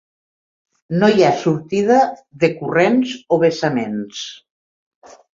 No hi ha sortida de corrents o vessament.